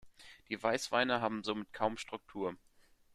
Die Weißweine haben somit kaum Struktur.